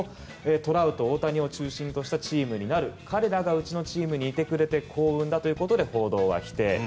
チーム編成について聞かれますとトラウト、大谷を中心としたチームになる彼らがうちのチームにいてくれて幸運だということで報道は否定。